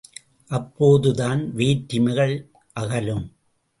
அப்போதுதான் வேற்றுமைகள் அகலும்.